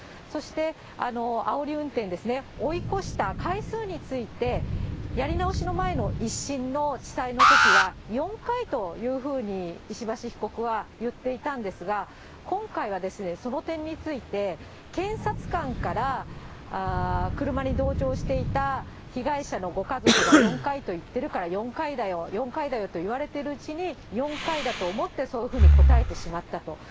そして、あおり運転ですね、追い越した回数について、やり直しの前の１審の地裁のときは、４回というふうに石橋被告は言っていたんですが、今回はその点について、検察官から車に同乗していた被害者のご家族が４回と言ってるから、４回だよ、４回だよと言われてるうちに、４回だと思って、そういうふうに答えてしまったと。